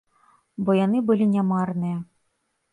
Бо яны былі не марныя.